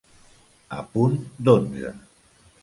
A punt d'onze.